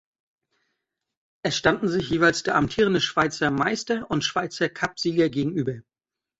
Es standen sich jeweils der amtierende Schweizer Meister und Schweizer Cupsieger gegenüber.